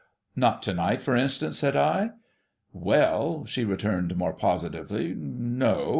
' Not to night, for instance !' said L ' ^^'ell !' she returned more positively, ' no.